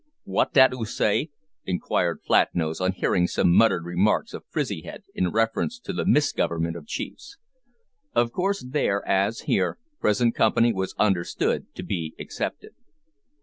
"What dat 'oo say?" inquired Flatnose, on hearing some muttered remarks of Frizzyhead in reference to the misgovernment of chiefs. Of course there, as here, present company was understood to be excepted.